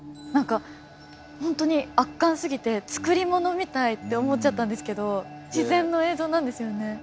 何か本当に圧巻すぎて作り物みたいって思っちゃったんですけど自然の映像なんですよね。